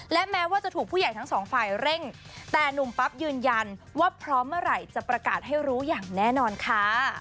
และแม้ว่าจะถูกผู้ใหญ่ทั้งสองฝ่ายเร่งแต่หนุ่มปั๊บยืนยันว่าพร้อมเมื่อไหร่จะประกาศให้รู้อย่างแน่นอนค่ะ